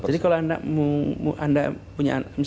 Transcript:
jadi kalau anda punya misalnya satu kelas